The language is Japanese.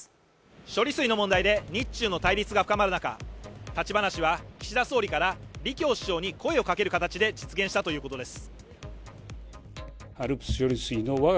処理水の問題で日中の対立が深まる中、立ち話は岸田総理から李強首相に声をかける形で実現したということです。